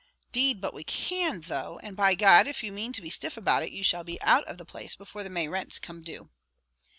"'Deed but we can though; and, by G d, if you mean to be stiff about it, you shall be out of the place before the May rents become due."